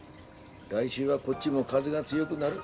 来週はこっちも風が強ぐなる。